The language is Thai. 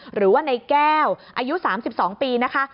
หรือว่าในแก้วอายุ๓๒ปีนะคะ